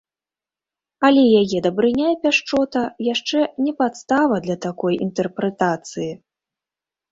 Але яе дабрыня і пяшчота яшчэ не падстава для такой інтэрпрэтацыі.